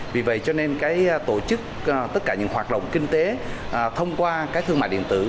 vì vậy tổ chức tất cả những hoạt động kinh tế thông qua thương mại điện tử